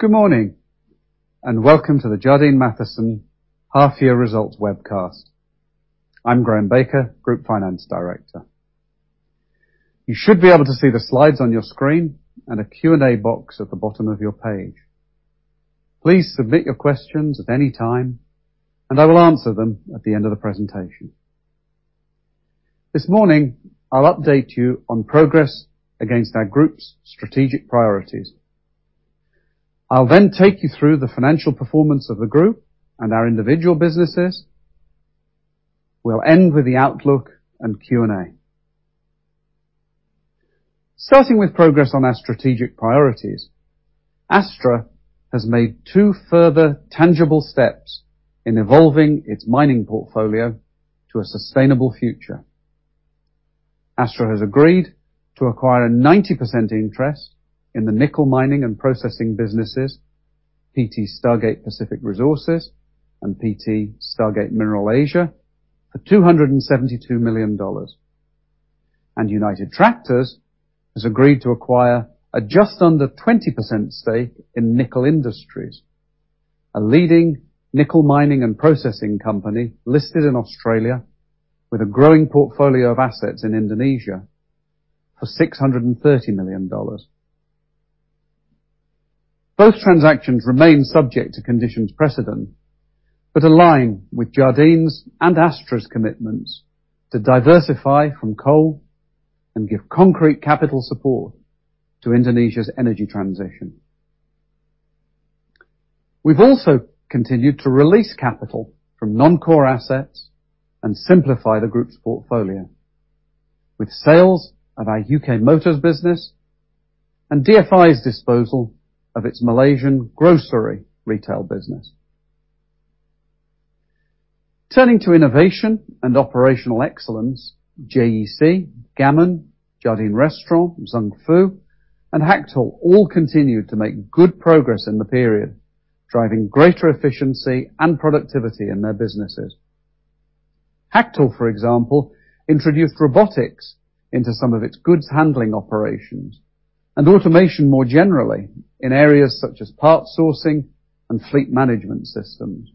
Good morning, welcome to the Jardine Matheson half year results webcast. I'm Graham Baker, Group Finance Director. You should be able to see the slides on your screen and a Q&A box at the bottom of your page. Please submit your questions at any time, I will answer them at the end of the presentation. This morning, I'll update you on progress against our group's strategic priorities. I'll take you through the financial performance of the group and our individual businesses. We'll end with the outlook and Q&A. Starting with progress on our strategic priorities, Astra has made two further tangible steps in evolving its mining portfolio to a sustainable future. Astra has agreed to acquire a 90% interest in the nickel mining and processing businesses, PT Stargaze Pacific Resources and PT Stargaze Mineral Asia, for $272 million. United Tractors has agreed to acquire a just under 20% stake in Nickel Industries, a leading nickel mining and processing company listed in Australia with a growing portfolio of assets in Indonesia for $630 million. Both transactions remain subject to conditions precedent, but align with Jardine's and Astra's commitments to diversify from coal and give concrete capital support to Indonesia's energy transition. We've also continued to release capital from non-core assets and simplify the group's portfolio, with sales of our U.K. Motors business and DFI's disposal of its Malaysian grocery retail business. Turning to innovation and operational excellence, JEC, Gammon, Jardine Restaurant, Zung Fu, and Hactl all continued to make good progress in the period, driving greater efficiency and productivity in their businesses. Hactl, for example, introduced robotics into some of its goods handling operations and automation more generally in areas such as part sourcing and fleet management systems.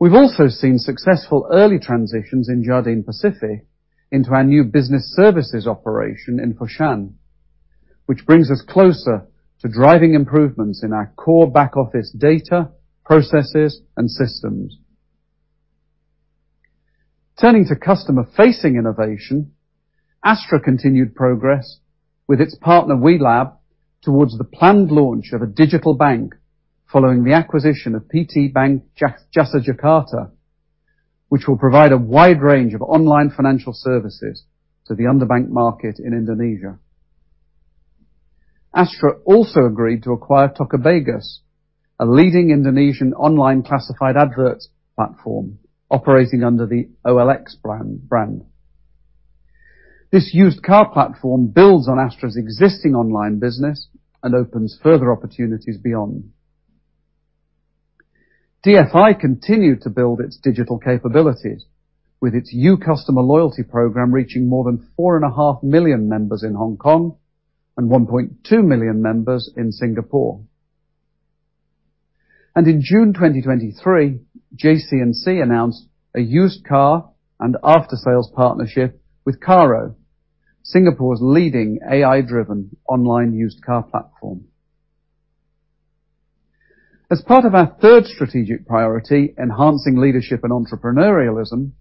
We've also seen successful early transitions in Jardine Pacific into our new business services operation in Foshan, which brings us closer to driving improvements in our core back office data, processes, and systems. Turning to customer-facing innovation, Astra continued progress with its partner, WeLab, towards the planned launch of a digital bank, following the acquisition of PT Bank Jasa Jakarta, which will provide a wide range of online financial services to the underbanked market in Indonesia. Astra also agreed to acquire Tokobagus, a leading Indonesian online classified adverts platform operating under the OLX brand. This used car platform builds on Astra's existing online business and opens further opportunities beyond. DFI continued to build its digital capabilities, with its yuu customer loyalty program reaching more than 4.5 million members in Hong Kong and 1.2 million members in Singapore. In June 2023, JCNC announced a used car and after-sales partnership with Carro, Singapore's leading AI-driven online used car platform. As part of our 3rd strategic priority, enhancing leadership and entrepreneurialism,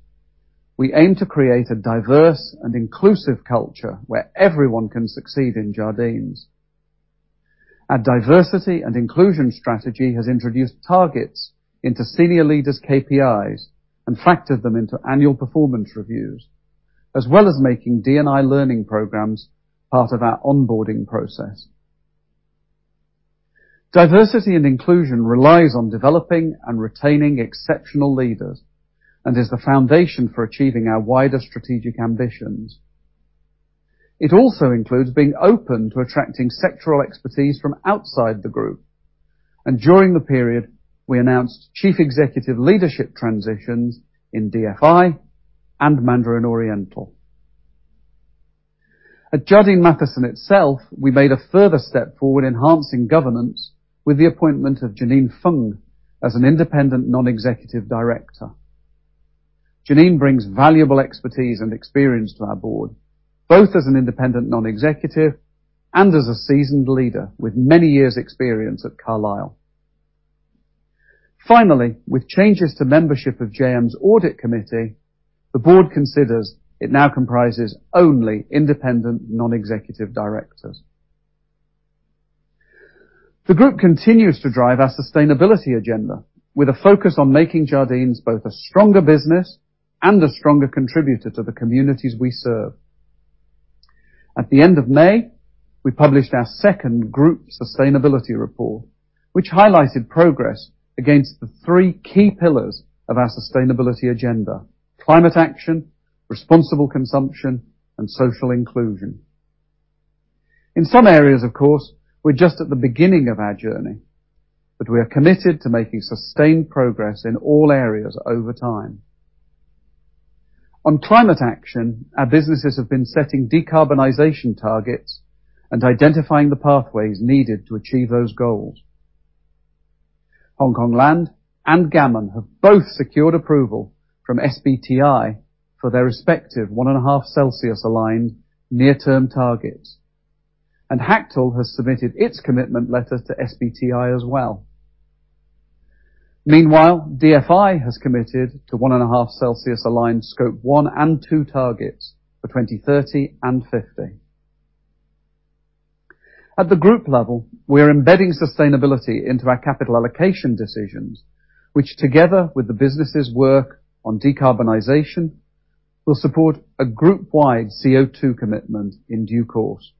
we aim to create a diverse and inclusive culture where everyone can succeed in Jardine's. Our diversity and inclusion strategy has introduced targets into senior leaders' KPIs and factored them into annual performance reviews, as well as making D&I learning programs part of our onboarding process. Diversity and inclusion relies on developing and retaining exceptional leaders and is the foundation for achieving our wider strategic ambitions. It also includes being open to attracting sectoral expertise from outside the group. During the period, we announced chief executive leadership transitions in DFI and Mandarin Oriental. At Jardine Matheson itself, we made a further step forward in enhancing governance with the appointment of Jeannine Feng as an independent non-executive director. Jeannine Feng brings valuable expertise and experience to our board, both as an independent non-executive and as a seasoned leader with many years experience at Carlyle. With changes to membership of JM's Audit Committee, the board considers it now comprises only independent non-executive directors. The group continues to drive our sustainability agenda, with a focus on making Jardine's both a stronger business and a stronger contributor to the communities we serve. At the end of May, we published our second group sustainability report, which highlighted progress against the three key pillars of our sustainability agenda: climate action, responsible consumption, and social inclusion. In some areas, of course, we're just at the beginning of our journey, but we are committed to making sustained progress in all areas over time. On climate action, our businesses have been setting decarbonization targets and identifying the pathways needed to achieve those goals. Hongkong Land and Gammon have both secured approval from SBTI for their respective 1.5 Celsius aligned near-term targets, and Hactl has submitted its commitment letter to SBTI as well. Meanwhile, DFI has committed to 1.5 Celsius aligned Scope 1 and Scope 2 targets for 2030 and 2050. At the group level, we are embedding sustainability into our capital allocation decisions, which together with the businesses work on decarbonization, will support a group-wide CO₂ commitment in due course.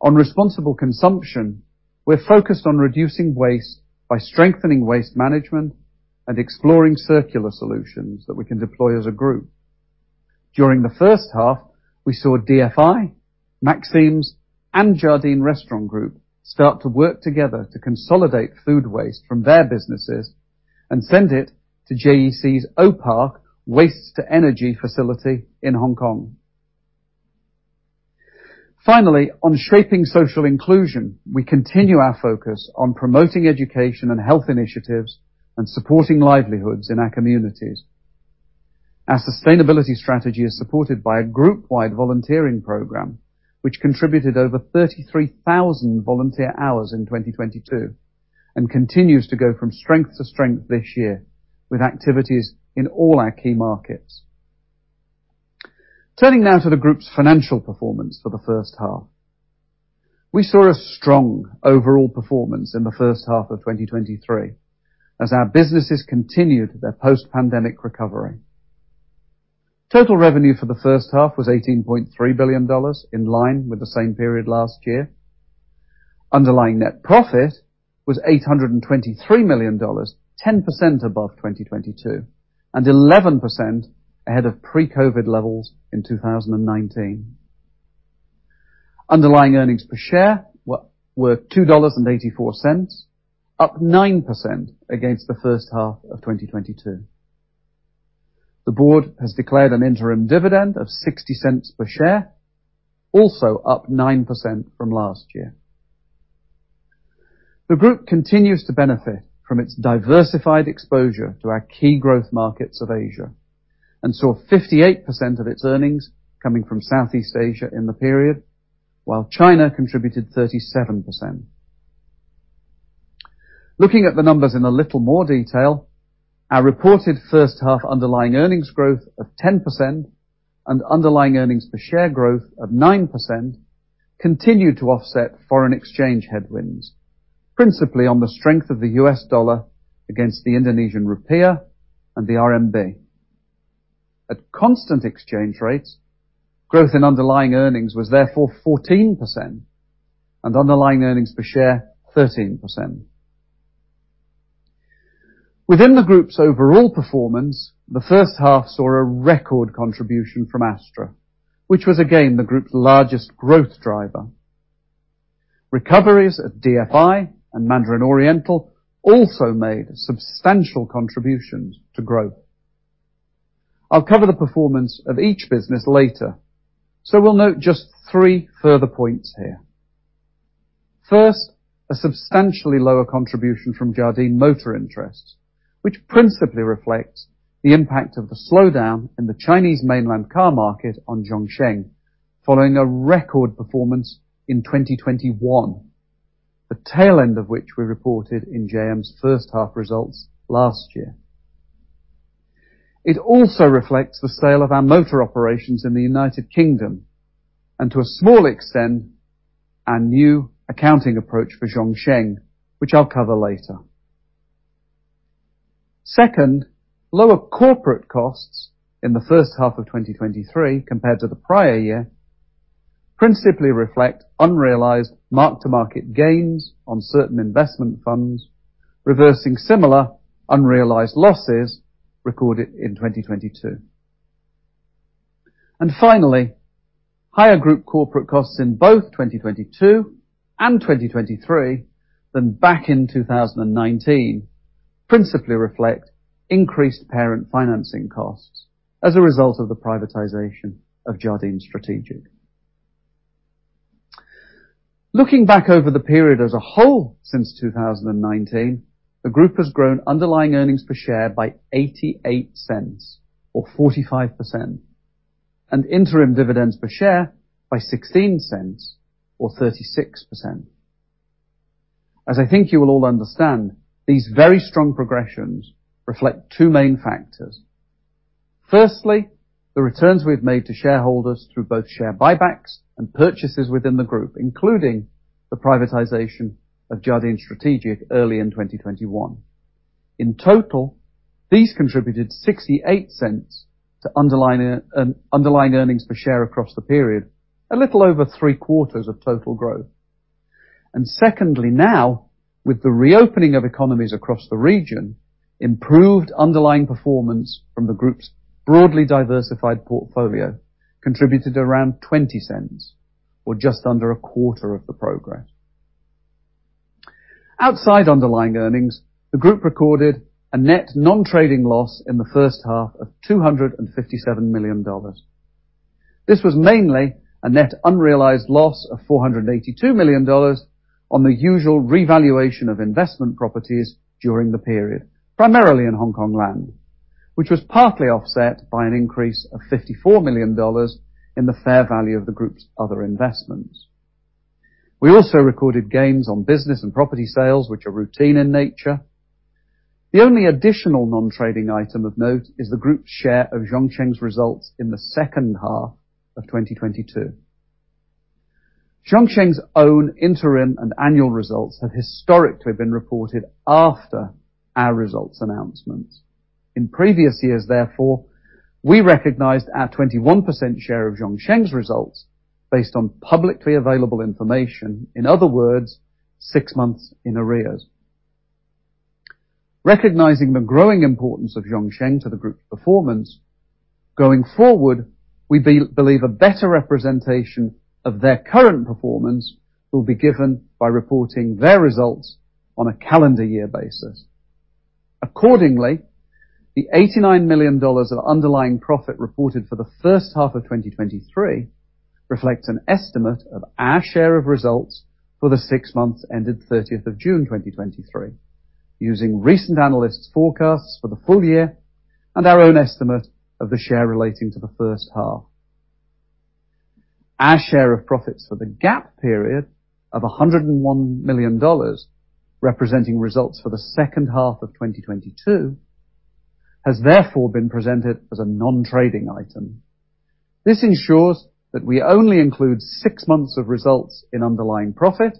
On responsible consumption, we're focused on reducing waste by strengthening waste management and exploring circular solutions that we can deploy as a group. During the first half, we saw DFI, Maxim's, and Jardine Restaurant Group start to work together to consolidate food waste from their businesses and send it to JEC's O·PARK Waste-to-Energy facility in Hong Kong. Finally, on shaping social inclusion, we continue our focus on promoting education and health initiatives and supporting livelihoods in our communities. Our sustainability strategy is supported by a group-wide volunteering program, which contributed over 33,000 volunteer hours in 2022, and continues to go from strength to strength this year with activities in all our key markets. Turning now to the group's financial performance for the first half. We saw a strong overall performance in the first half of 2023 as our businesses continued their post-pandemic recovery. Total revenue for the first half was $18.3 billion, in line with the same period last year. Underlying net profit was $823 million, 10% above 2022, and 11% ahead of pre-COVID levels in 2019. Underlying earnings per share were $2.84, up 9% against the first half of 2022. The board has declared an interim dividend of $0.60 per share, also up 9% from last year. The group continues to benefit from its diversified exposure to our key growth markets of Asia, saw 58% of its earnings coming from Southeast Asia in the period, while China contributed 37%. Looking at the numbers in a little more detail, our reported first half underlying earnings growth of 10% and underlying earnings per share growth of 9% continue to offset foreign exchange headwinds, principally on the strength of the US dollar against the Indonesian rupiah and the RMB. At constant exchange rates, growth in underlying earnings was therefore 14% and underlying earnings per share, 13%. Within the group's overall performance, the first half saw a record contribution from Astra, which was again the group's largest growth driver. Recoveries at DFI and Mandarin Oriental also made substantial contributions to growth. I'll cover the performance of each business later. We'll note just three further points here. First, a substantially lower contribution from Jardine Motor interests, which principally reflects the impact of the slowdown in the Chinese mainland car market on Zhongsheng, following a record performance in 2021, the tail end of which we reported in JM's first half results last year. It also reflects the sale of our motor operations in the United Kingdom and to a small extent, our new accounting approach for Zhongsheng, which I'll cover later. Second, lower corporate costs in the first half of 2023 compared to the prior year, principally reflect unrealized mark-to-market gains on certain investment funds, reversing similar unrealized losses recorded in 2022. Finally, higher group corporate costs in both 2022 and 2023 than back in 2019, principally reflect increased parent financing costs as a result of the privatization of Jardine Strategic. Looking back over the period as a whole, since 2019, the group has grown underlying earnings per share by $0.88 or 45%, and interim dividends per share by $0.16 or 36%. As I think you will all understand, these very strong progressions reflect two main factors. Firstly, the returns we've made to shareholders through both share buybacks and purchases within the group, including the privatization of Jardine Strategic early in 2021. In total, these contributed $0.68 to underlying, underlying earnings per share across the period, a little over three-quarters of total growth. Secondly, now, with the reopening of economies across the region, improved underlying performance from the group's broadly diversified portfolio contributed around $0.20 or just under a quarter of the progress. Outside underlying earnings, the group recorded a net non-trading loss in the first half of $257 million. This was mainly a net unrealized loss of $482 million on the usual revaluation of investment properties during the period, primarily in Hongkong Land, which was partly offset by an increase of $54 million in the fair value of the group's other investments. We also recorded gains on business and property sales, which are routine in nature. The only additional non-trading item of note is the group's share of Zhongsheng's results in the second half of 2022. Zhongsheng's own interim and annual results have historically been reported after our results announcements. In previous years, therefore, we recognized our 21% share of Zhongsheng's results based on publicly available information, in other words, six months in arrears. Recognizing the growing importance of Zhongsheng to the group's performance, going forward, we believe a better representation of their current performance will be given by reporting their results on a calendar year basis. Accordingly, the $89 million of underlying profit reported for the first half of 2023 reflects an estimate of our share of results for the six months ended 30th of June, 2023, using recent analysts' forecasts for the full year and our own estimate of the share relating to the first half. Our share of profits for the gap period of $101 million, representing results for the second half of 2022, has therefore been presented as a non-trading item. This ensures that we only include six months of results in underlying profit,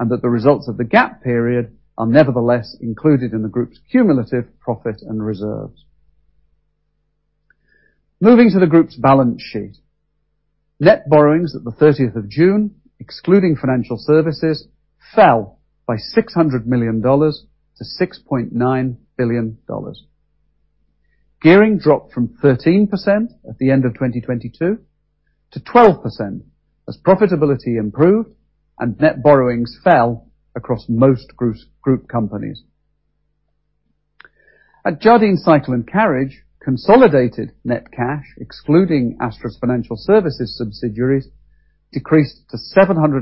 and that the results of the gap period are nevertheless included in the group's cumulative profit and reserves. Moving to the group's balance sheet. Net borrowings at the 30th of June, excluding financial services, fell by $600 million to $6.9 billion. Gearing dropped from 13% at the end of 2022 to 12% as profitability improved and net borrowings fell across most group companies. At Jardine Cycle & Carriage, consolidated net cash, excluding Astra's financial services subsidiaries, decreased to $777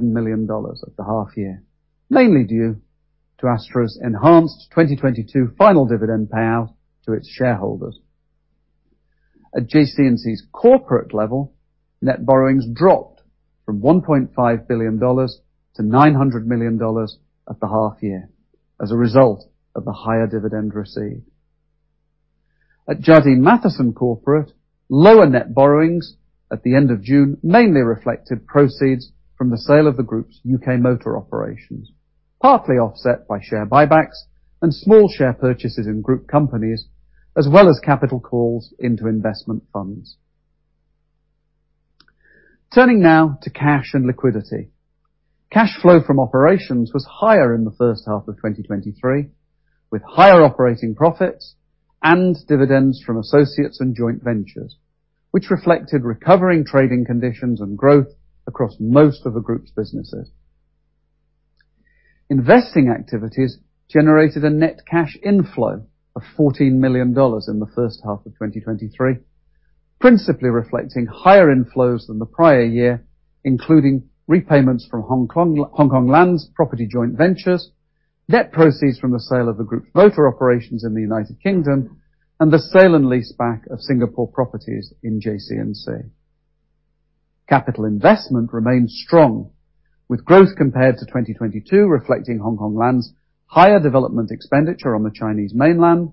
million at the half year, mainly due to Astra's enhanced 2022 final dividend payout to its shareholders. At JCNC's corporate level, net borrowings dropped from $1.5 billion to $900 million at the half year as a result of the higher dividend received. At Jardine Matheson Corporate, lower net borrowings at the end of June, mainly reflected proceeds from the sale of the group's UK motor operations, partly offset by share buybacks and small share purchases in group companies, as well as capital calls into investment funds. Turning now to cash and liquidity. Cash flow from operations was higher in the first half of 2023, with higher operating profits and dividends from associates and joint ventures, which reflected recovering trading conditions and growth across most of the group's businesses. Investing activities generated a net cash inflow of $14 million in the first half of 2023, principally reflecting higher inflows than the prior year, including repayments from Hong Kong, Hongkong Land's property joint ventures, debt proceeds from the sale of the group's motor operations in the United Kingdom, and the sale and leaseback of Singapore properties in JCNC. Capital investment remained strong, with growth compared to 2022, reflecting Hongkong Land's higher development expenditure on the Chinese mainland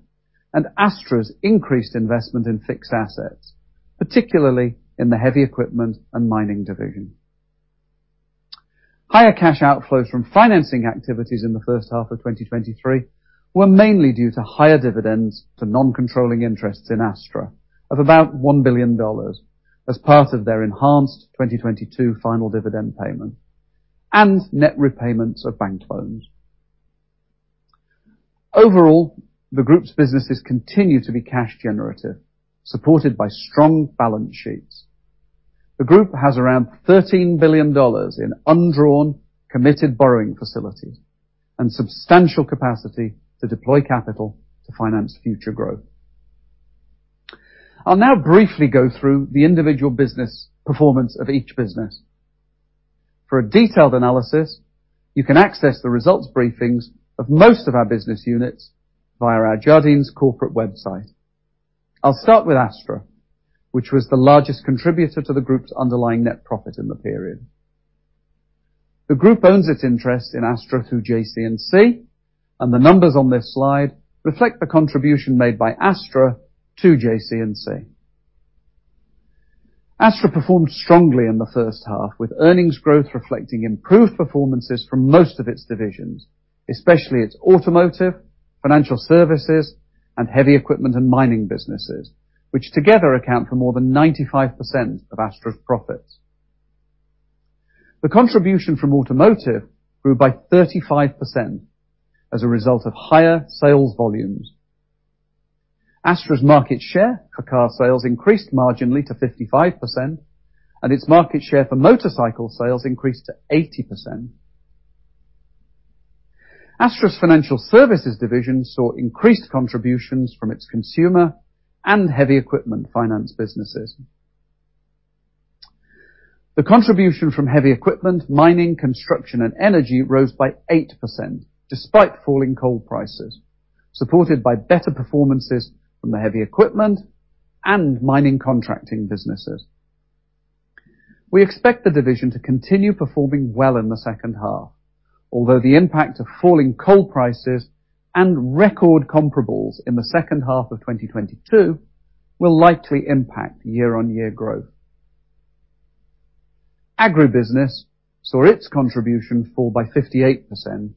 and Astra's increased investment in fixed assets, particularly in the heavy equipment and mining division. Higher cash outflows from financing activities in the first half of 2023 were mainly due to higher dividends to non-controlling interests in Astra of about $1 billion as part of their enhanced 2022 final dividend payment and net repayments of bank loans. Overall, the group's businesses continue to be cash generative, supported by strong balance sheets. The group has around $13 billion in undrawn, committed borrowing facilities and substantial capacity to deploy capital to finance future growth. I'll now briefly go through the individual performance of each business. For a detailed analysis, you can access the results briefings of most of our business units via our Jardine's corporate website. I'll start with Astra, which was the largest contributor to the group's underlying net profit in the period. The group owns its interest in Astra through JCNC, and the numbers on this slide reflect the contribution made by Astra to JCNC. Astra performed strongly in the first half, with earnings growth reflecting improved performances from most of its divisions, especially its automotive, financial services, and heavy equipment and mining businesses, which together account for more than 95% of Astra's profits. The contribution from automotive grew by 35% as a result of higher sales volumes. Astra's market share for car sales increased marginally to 55%, and its market share for motorcycle sales increased to 80%. Astra's financial services division saw increased contributions from its consumer and heavy equipment finance businesses. The contribution from heavy equipment, mining, construction, and energy rose by 8% despite falling coal prices, supported by better performances from the heavy equipment and mining contracting businesses. We expect the division to continue performing well in the second half, although the impact of falling coal prices and record comparables in the second half of 2022 will likely impact year-on-year growth. Agribusiness saw its contribution fall by 58%,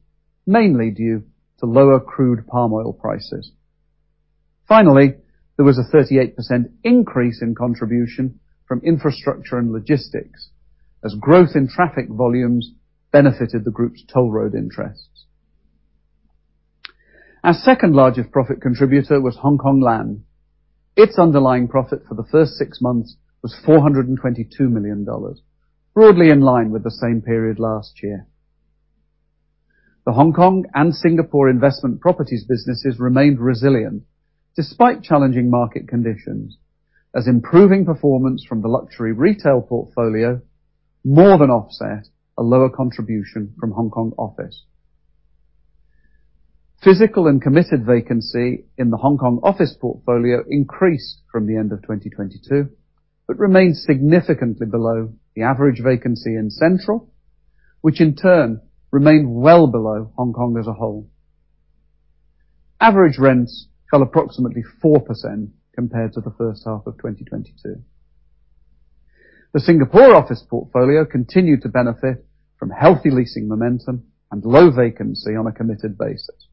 mainly due to lower crude palm oil prices. Finally, there was a 38% increase in contribution from infrastructure and logistics, as growth in traffic volumes benefited the group's toll road interests. Our second-largest profit contributor was Hongkong Land. Its underlying profit for the first six months was $422 million, broadly in line with the same period last year. The Hong Kong and Singapore investment properties businesses remained resilient despite challenging market conditions, as improving performance from the luxury retail portfolio more than offset a lower contribution from Hong Kong office. Physical and committed vacancy in the Hong Kong office portfolio increased from the end of 2022, but remains significantly below the average vacancy in Central, which in turn remained well below Hong Kong as a whole. Average rents fell approximately 4% compared to the first half of 2022. The Singapore office portfolio continued to benefit from healthy leasing momentum and low vacancy on a committed basis.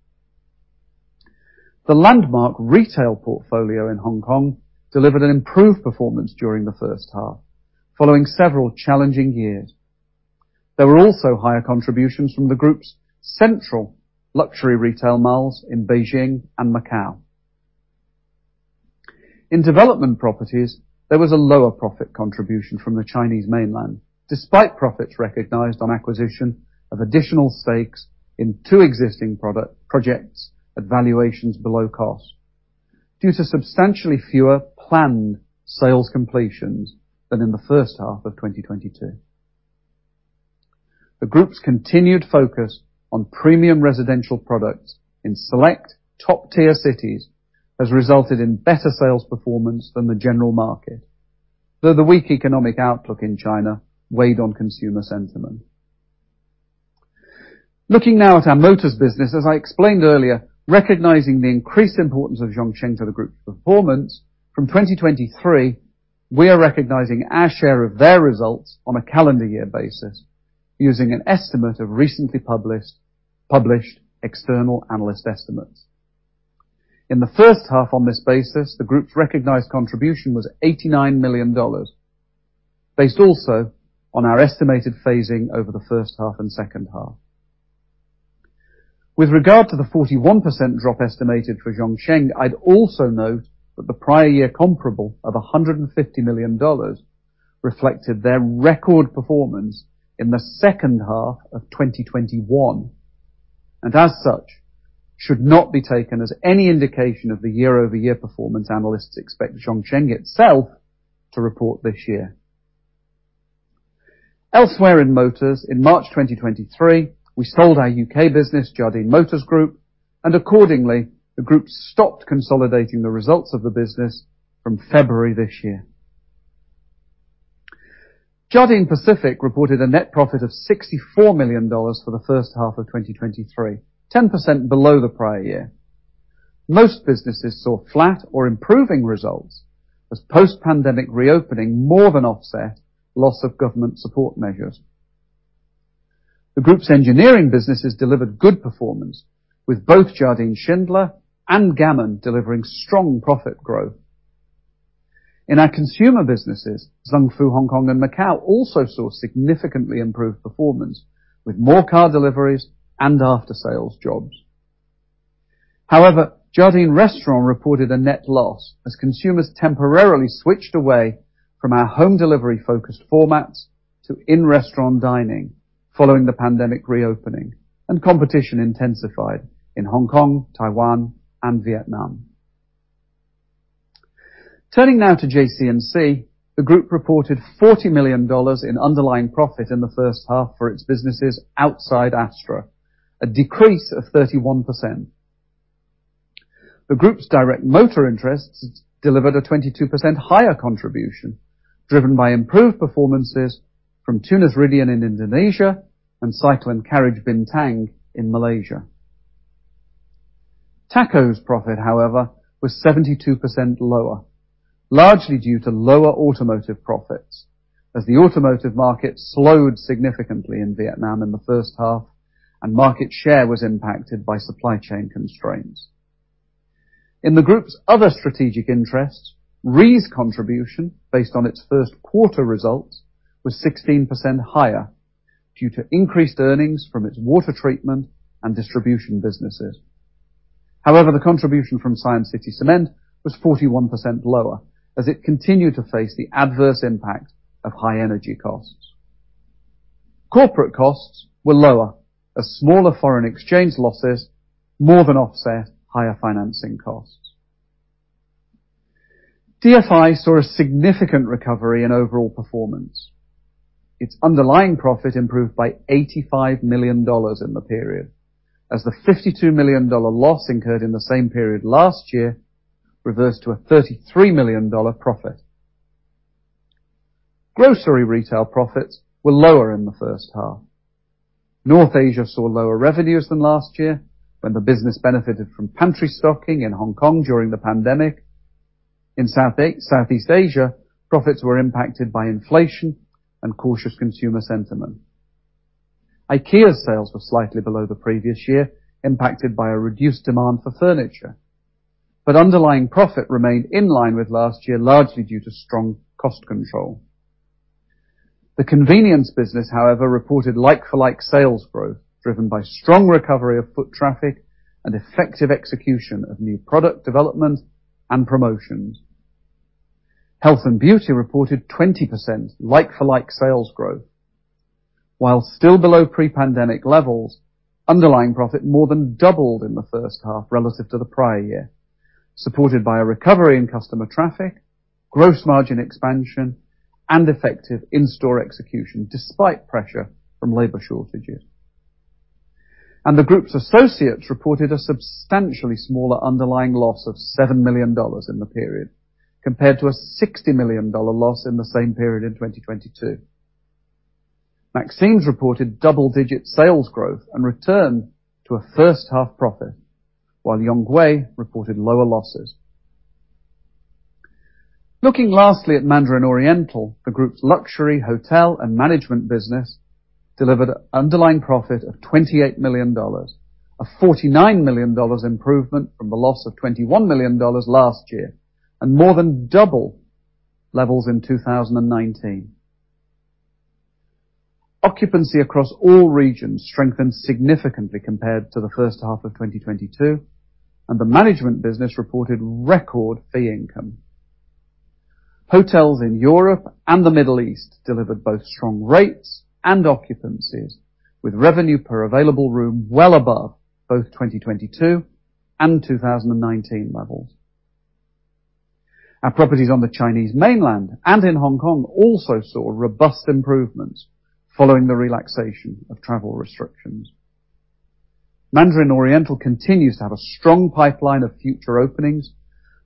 The landmark retail portfolio in Hong Kong delivered an improved performance during the first half, following several challenging years. There were also higher contributions from the group's central luxury retail malls in Beijing and Macau. In development properties, there was a lower profit contribution from the Chinese mainland, despite profits recognized on acquisition of additional stakes in two existing projects at valuations below cost, due to substantially fewer planned sales completions than in the first half of 2022. The group's continued focus on premium residential products in select top-tier cities has resulted in better sales performance than the general market, though the weak economic outlook in China weighed on consumer sentiment. Looking now at our motors business, as I explained earlier, recognizing the increased importance of Zhongsheng to the group's performance, from 2023, we are recognizing our share of their results on a calendar year basis, using an estimate of recently published external analyst estimates. In the first half on this basis, the group's recognized contribution was $89 million, based also on our estimated phasing over the first half and second half. With regard to the 41% drop estimated for Zhongsheng, I'd also note that the prior year comparable of $150 million reflected their record performance in the second half of 2021. As such, should not be taken as any indication of the year-over-year performance analysts expect Zhongsheng itself to report this year. Elsewhere in motors, in March 2023, we sold our U.K. business, Jardine Motors Group. Accordingly, the group stopped consolidating the results of the business from February this year. Jardine Pacific reported a net profit of $64 million for the first half of 2023, 10% below the prior year. Most businesses saw flat or improving results as post-pandemic reopening more than offset loss of government support measures. The group's engineering businesses delivered good performance, with both Jardine Schindler and Gammon delivering strong profit growth. In our consumer businesses, Zung Fu Hong Kong and Macau also saw significantly improved performance, with more car deliveries and after-sales jobs. Jardine Restaurant Group reported a net loss as consumers temporarily switched away from our home delivery-focused formats to in-restaurant dining following the pandemic reopening, and competition intensified in Hong Kong, Taiwan, and Vietnam. Turning now to Jardine Cycle & Carriage, the group reported $40 million in underlying profit in the first half for its businesses outside Astra, a decrease of 31%. The group's direct motor interests delivered a 22% higher contribution, driven by improved performances from Tunas Ridean in Indonesia and Cycle & Carriage Bintang in Malaysia. THACO's profit, however, was 72% lower, largely due to lower automotive profits, as the automotive market slowed significantly in Vietnam in the first half, and market share was impacted by supply chain constraints. In the group's other strategic interests, REE's contribution, based on its first quarter results, was 16% higher due to increased earnings from its water treatment and distribution businesses. The contribution from Siam City Cement was 41% lower, as it continued to face the adverse impact of high energy costs. Corporate costs were lower, as smaller foreign exchange losses more than offset higher financing costs. DFI saw a significant recovery in overall performance. Its underlying profit improved by $85 million in the period, as the $52 million loss incurred in the same period last year reversed to a $33 million profit. Grocery retail profits were lower in the first half. North Asia saw lower revenues than last year, when the business benefited from pantry stocking in Hong Kong during the pandemic. In Southeast Asia, profits were impacted by inflation and cautious consumer sentiment. IKEA sales were slightly below the previous year, impacted by a reduced demand for furniture, but underlying profit remained in line with last year, largely due to strong cost control. The convenience business, however, reported like-for-like sales growth, driven by strong recovery of foot traffic and effective execution of new product development and promotions. Health and Beauty reported 20% like-for-like sales growth. While still below pre-pandemic levels, underlying profit more than doubled in the first half relative to the prior year, supported by a recovery in customer traffic, gross margin expansion, and effective in-store execution, despite pressure from labor shortages. The group's associates reported a substantially smaller underlying loss of $7 million in the period, compared to a $60 million loss in the same period in 2022. Maxim's reported double-digit sales growth and returned to a first-half profit, while Yonghui reported lower losses.. Looking lastly at Mandarin Oriental, the group's luxury hotel and management business, delivered an underlying profit of $28 million, a $49 million improvement from the loss of $21 million last year, and more than double levels in 2019. Occupancy across all regions strengthened significantly compared to the first half of 2022, and the management business reported record fee income. Hotels in Europe and the Middle East delivered both strong rates and occupancies, with revenue per available room well above both 2022 and 2019 levels. Our properties on the Chinese mainland and in Hong Kong also saw robust improvements following the relaxation of travel restrictions. Mandarin Oriental continues to have a strong pipeline of future openings,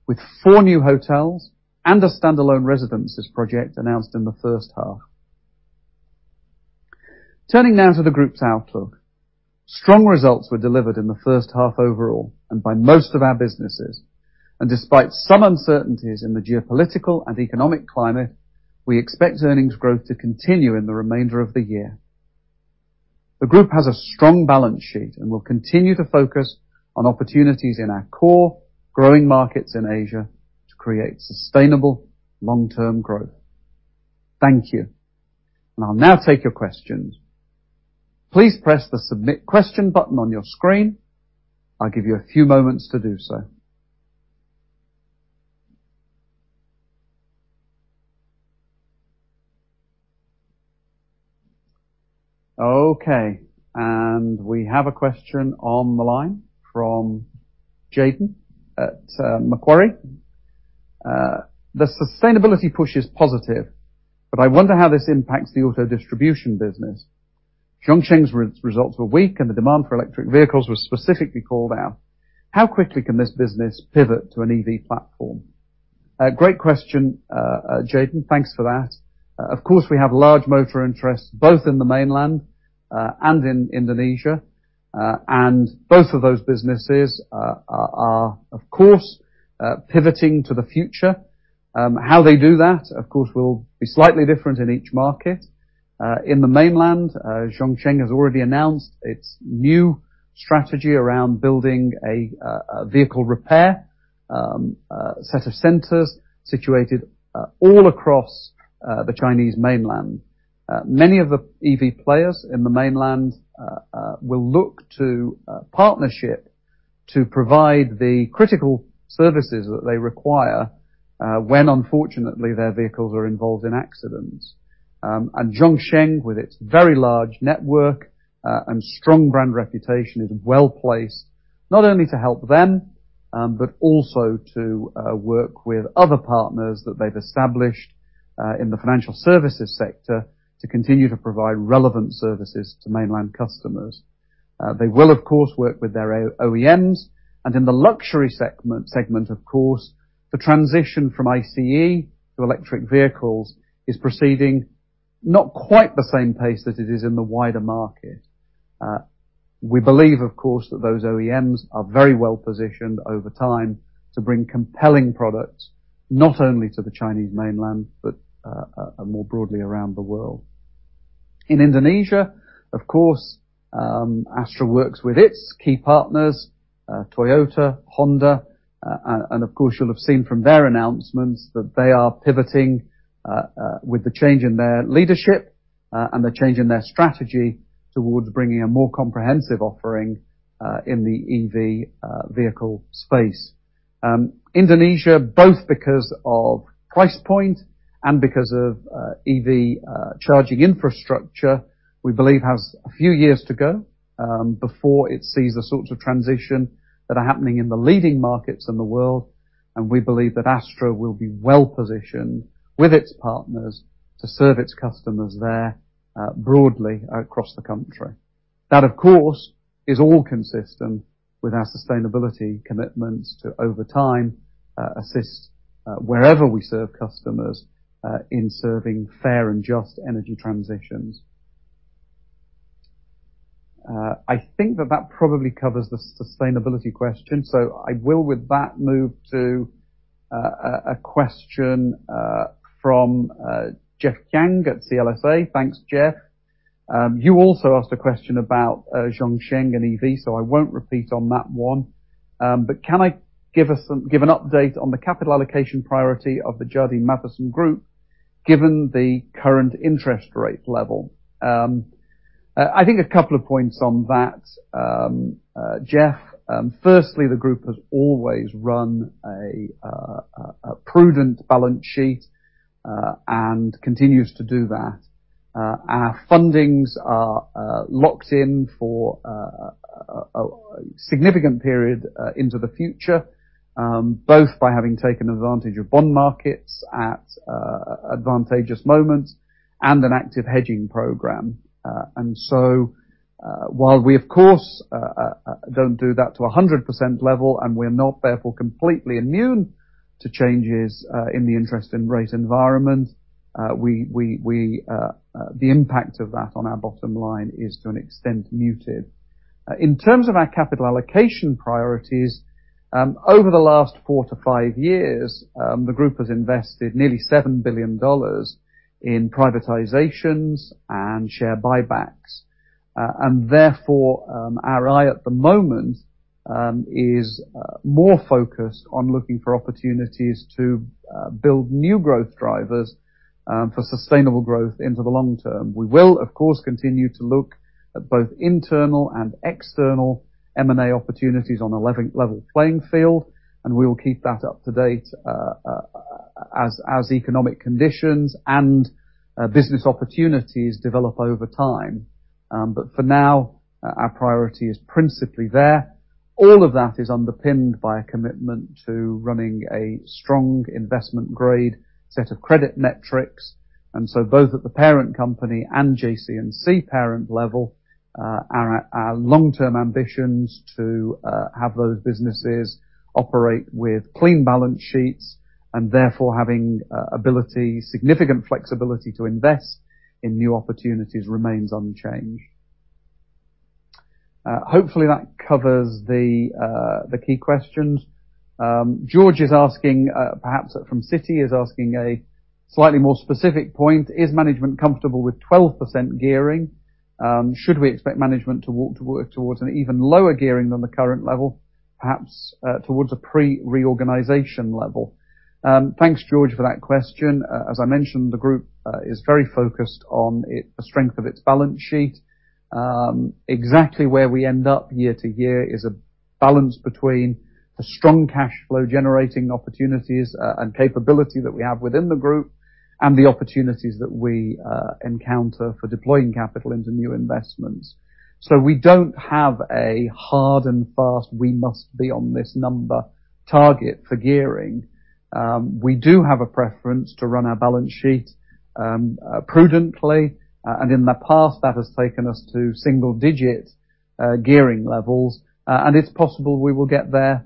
with four new hotels and a standalone residences project announced in the first half. Turning now to the group's outlook. Strong results were delivered in the first half overall and by most of our businesses, despite some uncertainties in the geopolitical and economic climate, we expect earnings growth to continue in the remainder of the year. The group has a strong balance sheet and will continue to focus on opportunities in our core growing markets in Asia to create sustainable long-term growth. Thank you. I'll now take your questions. Please press the Submit Question button on your screen. I'll give you a few moments to do so. Okay, we have a question on the line from Jayden at Macquarie. "The sustainability push is positive, but I wonder how this impacts the auto distribution business. Zhongsheng's results were weak, and the demand for electric vehicles was specifically called out. How quickly can this business pivot to an EV platform?" Great question, Jayden. Thanks for that. Of course, we have large motor interests, both in the mainland and in Indonesia, and both of those businesses are, of course, pivoting to the future. How they do that, of course, will be slightly different in each market. In the mainland, Zhongsheng has already announced its new strategy around building a vehicle repair set of centers situated all across the Chinese mainland. Many of the EV players in the mainland will look to partnership to provide the critical services that they require when unfortunately, their vehicles are involved in accidents. Zhongsheng, with its very large network and strong brand reputation, is well-placed, not only to help them, but also to work with other partners that they've established in the financial services sector to continue to provide relevant services to mainland customers. They will, of course, work with their OEMs, and in the luxury segment, of course, the transition from ICE to electric vehicles is proceeding not quite the same pace as it is in the wider market. We believe, of course, that those OEMs are very well-positioned over time to bring compelling products, not only to the Chinese mainland, but more broadly around the world. In Indonesia, of course, Astra works with its key partners, Toyota, Honda-... and, and of course, you'll have seen from their announcements that they are pivoting, with the change in their leadership, and the change in their strategy towards bringing a more comprehensive offering, in the EV vehicle space. Indonesia, both because of price point and because of EV charging infrastructure, we believe, has a few years to go, before it sees the sorts of transition that are happening in the leading markets in the world, and we believe that Astra will be well positioned with its partners to serve its customers there, broadly across the country. That, of course, is all consistent with our sustainability commitments to, over time, assist, wherever we serve customers, in serving fair and just energy transitions. I think that that probably covers the sustainability question, so I will, with that, move to a question from Jeffrey Kiang at CLSA. Thanks, Jeffrey. You also asked a question about Zhongsheng and EV, so I won't repeat on that one. Can I give us some give an update on the capital allocation priority of the Jardine Matheson Group, given the current interest rate level? I think a couple of points on that. Jeffrey, firstly, the group has always run a prudent balance sheet and continues to do that. Our fundings are locked in for a significant period into the future, both by having taken advantage of bond markets at advantageous moments and an active hedging program. While we, of course, don't do that to a 100% level, and we're not, therefore, completely immune to changes in the interest and rate environment, the impact of that on our bottom line is, to an extent, muted. In terms of our capital allocation priorities, over the last four to five years, the group has invested nearly $7 billion in privatizations and share buybacks. Therefore, our eye at the moment is more focused on looking for opportunities to build new growth drivers for sustainable growth into the long term. We will, of course, continue to look at both internal and external M&A opportunities on a level playing field. We will keep that up to date as economic conditions and business opportunities develop over time. For now, our priority is principally there. All of that is underpinned by a commitment to running a strong investment grade set of credit metrics. So both at the parent company and JCNC parent level, our long-term ambitions to have those businesses operate with clean balance sheets, therefore having ability, significant flexibility to invest in new opportunities remains unchanged. Hopefully, that covers the key questions. George is asking, perhaps from Citi, a slightly more specific point: Is management comfortable with 12% gearing? Should we expect management to work towards an even lower gearing than the current level, perhaps, towards a pre-reorganization level? Thanks, George, for that question. As I mentioned, the group is very focused on it, the strength of its balance sheet. Exactly where we end up year to year is a balance between the strong cash flow generating opportunities and capability that we have within the group and the opportunities that we encounter for deploying capital into new investments. We don't have a hard and fast, "We must be on this number" target for gearing. We do have a preference to run our balance sheet prudently, and in the past, that has taken us to single-digit gearing levels, and it's possible we will get there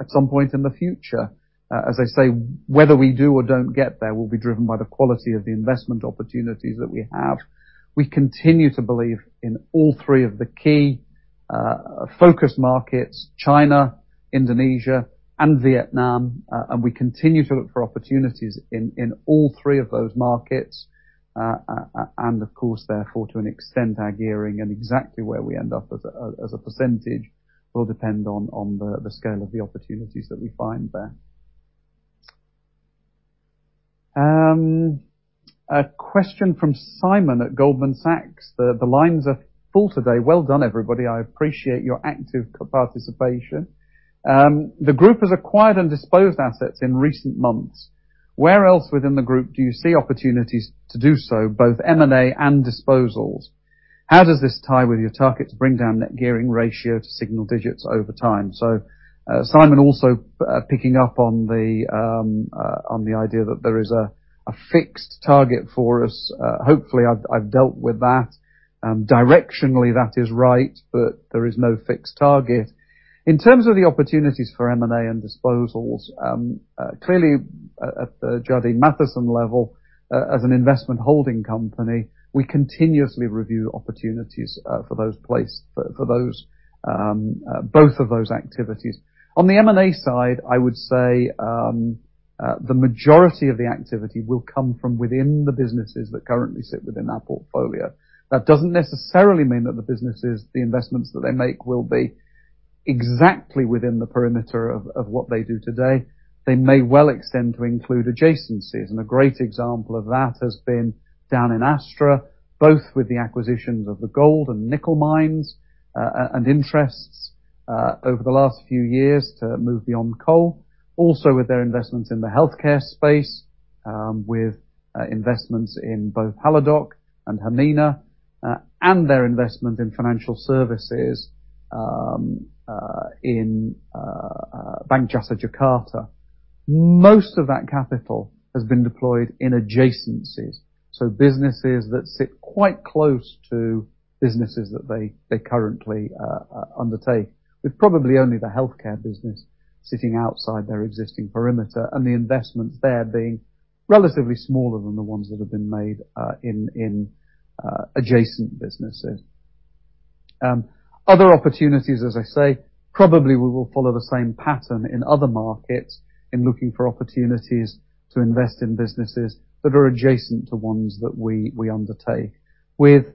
at some point in the future. As I say, whether we do or don't get there will be driven by the quality of the investment opportunities that we have. We continue to believe in all three of the key focus markets: China, Indonesia, and Vietnam, and we continue to look for opportunities in all three of those markets. Of course, therefore, to an extent, our gearing and exactly where we end up as a percentage will depend on the scale of the opportunities that we find there. A question from Simon at Goldman Sachs. The, the lines are full today. Well done, everybody. I appreciate your active participation. The group has acquired and disposed assets in recent months. Where else within the group do you see opportunities to do so, both M&A and disposals? How does this tie with your target to bring down net gearing ratio to single digits over time? Simon also picking up on the idea that there is a fixed target for us. Hopefully, I've, I've dealt with that. Directionally, that is right, but there is no fixed target. In terms of the opportunities for M&A and disposals, clearly, at the Jardine Matheson level, as an investment holding company, we continuously review opportunities for those place, for, for those, both of those activities. On the M&A side, I would say, the majority of the activity will come from within the businesses that currently sit within our portfolio. That doesn't necessarily mean that the businesses, the investments that they make, will be exactly within the perimeter of, of what they do today. They may well extend to include adjacencies, and a great example of that has been down in Astra, both with the acquisitions of the gold and nickel mines, and interests, over the last few years to move beyond coal. Also, with their investments in the healthcare space, with investments in both Halodoc and Hermina, and their investment in financial services, in Bank Jasa Jakarta. Most of that capital has been deployed in adjacencies, so businesses that sit quite close to businesses that they, they currently undertake, with probably only the healthcare business sitting outside their existing perimeter, and the investments there being relatively smaller than the ones that have been made in, in adjacent businesses. Other opportunities, as I say, probably we will follow the same pattern in other markets, in looking for opportunities to invest in businesses that are adjacent to ones that we, we undertake. With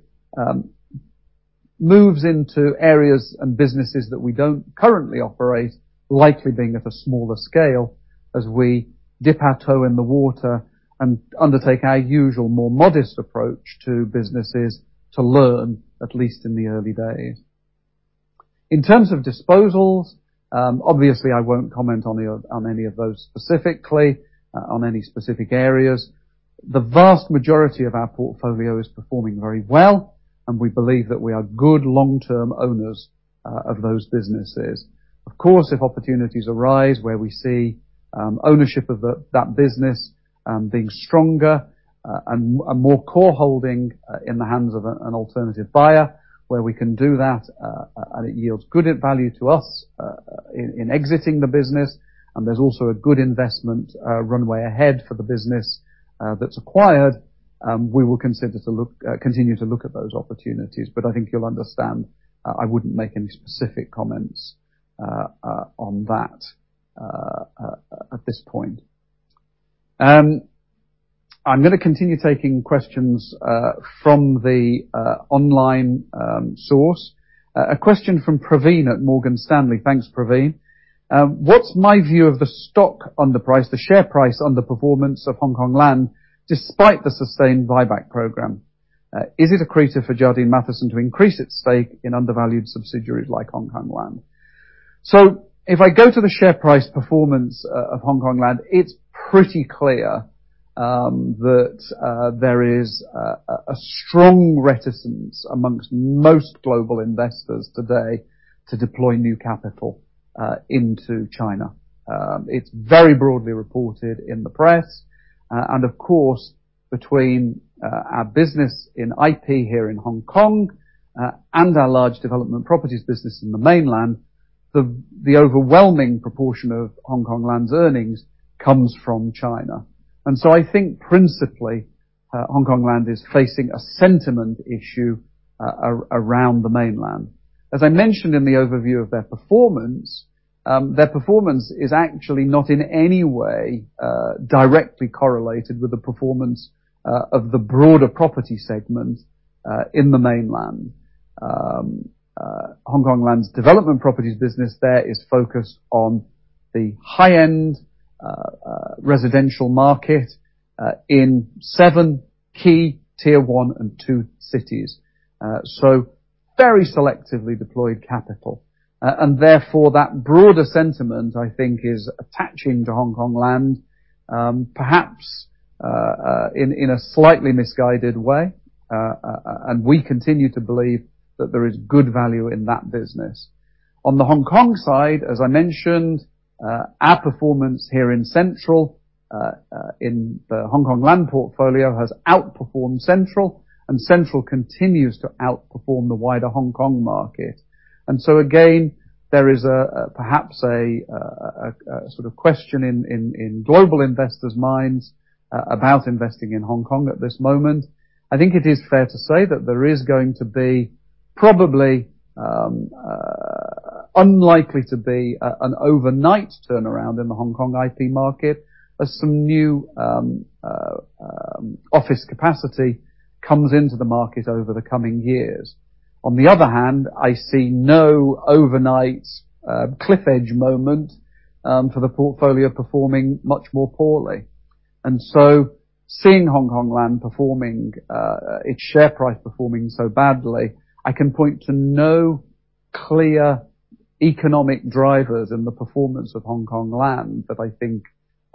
moves into areas and businesses that we don't currently operate, likely being of a smaller scale as we dip our toe in the water and undertake our usual more modest approach to businesses to learn, at least in the early days. In terms of disposals, obviously, I won't comment on any of those specifically, on any specific areas. The vast majority of our portfolio is performing very well, and we believe that we are good long-term owners of those businesses. Of course, if opportunities arise where we see ownership of that business being stronger, and more core holding in the hands of an alternative buyer, where we can do that, and it yields good value to us in exiting the business, and there's also a good investment runway ahead for the business that's acquired, we will continue to look at those opportunities. I think you'll understand, I wouldn't make any specific comments on that at this point. I'm gonna continue taking questions from the online source. A question from Praveen at Morgan Stanley. Thanks, Praveen. What's my view of the stock under price, the share price underperformance of Hongkong Land, despite the sustained buyback program? Is it accretive for Jardine Matheson to increase its stake in undervalued subsidiaries like Hongkong Land? If I go to the share price performance of Hongkong Land, it's pretty clear that there is a strong reticence amongst most global investors today to deploy new capital into China. It's very broadly reported in the press, and of course, between our business in IP here in Hong Kong, and our large development properties business in the mainland, the overwhelming proportion of Hongkong Land's earnings comes from China. I think principally, Hongkong Land is facing a sentiment issue, around the mainland. As I mentioned in the overview of their performance, their performance is actually not in any way, directly correlated with the performance, of the broader property segment, in the mainland. Hongkong Land's development properties business there is focused on the high-end, residential market, in seven key Tier 1 and 2 cities. So very selectively deployed capital. Therefore, that broader sentiment, I think, is attaching to Hongkong Land, perhaps, in a slightly misguided way, and we continue to believe that there is good value in that business. On the Hong Kong side, as I mentioned, our performance here in Central, in the Hongkong Land portfolio, has outperformed Central, and Central continues to outperform the wider Hong Kong market. Again, there is perhaps a sort of question in global investors' minds about investing in Hong Kong at this moment. I think it is fair to say that there is going to be probably unlikely to be an overnight turnaround in the Hong Kong IP market, as some new office capacity comes into the market over the coming years. On the other hand, I see no overnight cliff edge moment for the portfolio performing much more poorly. Seeing Hongkong Land performing, its share price performing so badly, I can point to no clear economic drivers in the performance of Hongkong Land that I think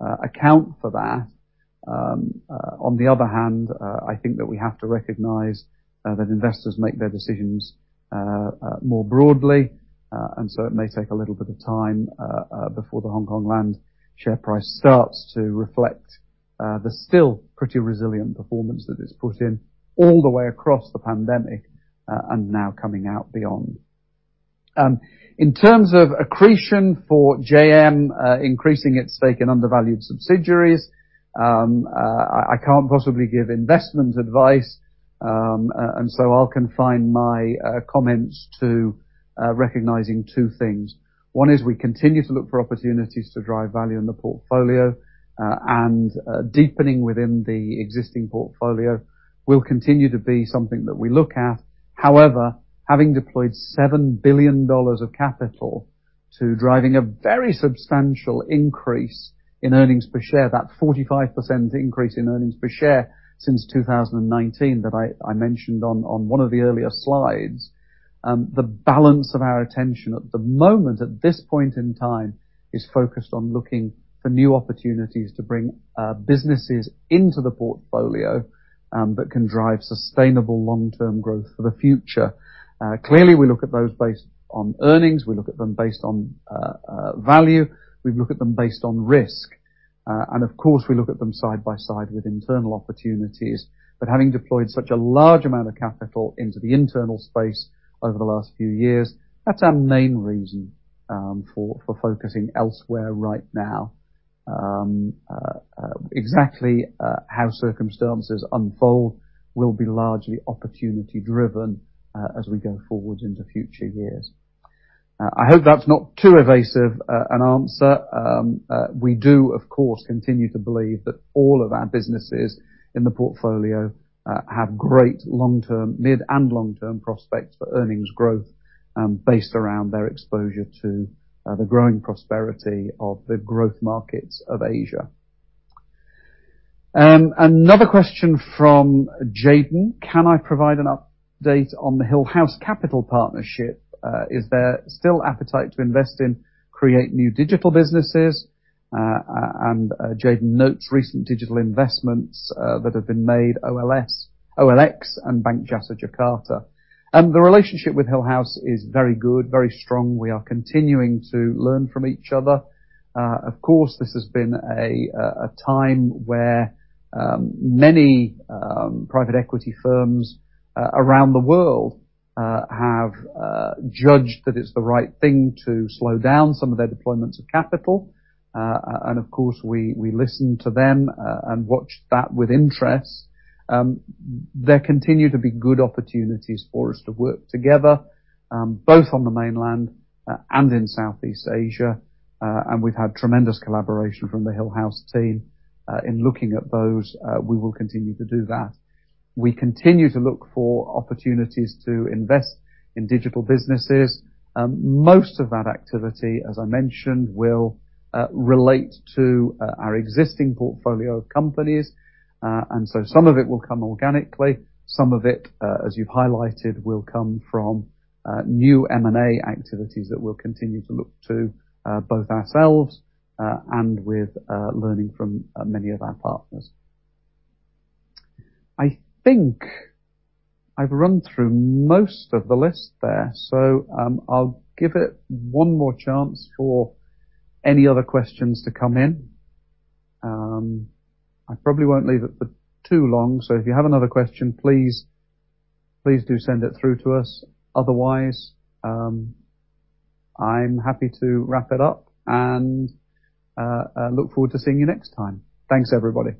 account for that. On the other hand, I think that we have to recognize that investors make their decisions more broadly, it may take a little bit of time before the Hongkong Land share price starts to reflect the still pretty resilient performance that it's put in all the way across the pandemic and now coming out beyond. In terms of accretion for JM, increasing its stake in undervalued subsidiaries, I, I can't possibly give investment advice, I'll confine my comments to recognizing two things.... One is we continue to look for opportunities to drive value in the portfolio, and deepening within the existing portfolio will continue to be something that we look at. However, having deployed $7 billion of capital to driving a very substantial increase in earnings per share, that 45% increase in earnings per share since 2019 that I, I mentioned on, on one of the earlier slides. The balance of our attention at the moment, at this point in time, is focused on looking for new opportunities to bring businesses into the portfolio, that can drive sustainable long-term growth for the future. Clearly, we look at those based on earnings, we look at them based on value, we look at them based on risk. Of course, we look at them side by side with internal opportunities. Having deployed such a large amount of capital into the internal space over the last few years, that's our main reason, for, for focusing elsewhere right now. Exactly, how circumstances unfold will be largely opportunity driven, as we go forward into future years. I hope that's not too evasive, an answer. We do, of course, continue to believe that all of our businesses in the portfolio, have great long-term, mid, and long-term prospects for earnings growth, based around their exposure to, the growing prosperity of the growth markets of Asia. Another question from Jayden: Can I provide an update on the Hillhouse Capital partnership? Is there still appetite to invest in create new digital businesses? Jayden notes recent digital investments that have been made, OLX and Bank Jasa Jakarta. The relationship with Hillhouse is very good, very strong. We are continuing to learn from each other. Of course, this has been a time where many private equity firms around the world have judged that it's the right thing to slow down some of their deployments of capital. Of course, we, we listen to them and watch that with interest. There continue to be good opportunities for us to work together, both on the mainland and in Southeast Asia, and we've had tremendous collaboration from the Hillhouse team. In looking at those, we will continue to do that. We continue to look for opportunities to invest in digital businesses. Most of that activity, as I mentioned, will relate to our existing portfolio of companies. Some of it will come organically, some of it, as you've highlighted, will come from new M&A activities that we'll continue to look to, both ourselves, and with learning from many of our partners. I think I've run through most of the list there, so I'll give it one more chance for any other questions to come in. I probably won't leave it for too long, so if you have another question, please, please do send it through to us. Otherwise, I'm happy to wrap it up and I look forward to seeing you next time. Thanks, everybody!